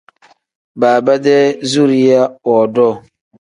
Baaba-dee zuriya woodoo.